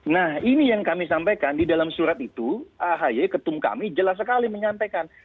nah ini yang kami sampaikan di dalam surat itu ahi ketum kami jelas sekali menyampaikan